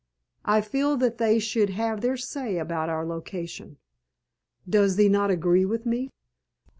I feel that they should have their say about our location. Does thee not agree with me?"